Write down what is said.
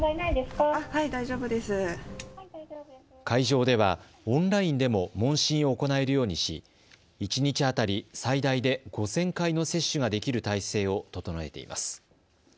会場ではオンラインでも問診を行えるようにし一日当たり最大で５０００回の接種ができる体制を整えています。